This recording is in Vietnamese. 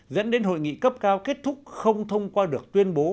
dẫn đến hội nghị cấp cao kết thúc không thông qua được tuyên bố